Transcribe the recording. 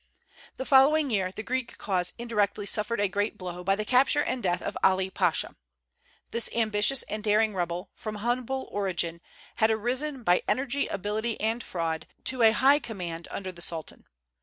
The following year the Greek cause indirectly suffered a great blow by the capture and death of Ali Pasha. This ambitious and daring rebel, from humble origin, had arisen, by energy, ability, and fraud, to a high command under the Sultan.